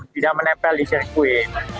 tidak menempel di sirkuit